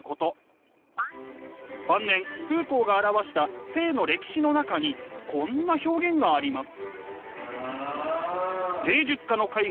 晩年フーコーが著した「性の歴史」の中にこんな表現があります。